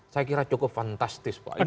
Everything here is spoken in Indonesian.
saya kira cukup fantastis pak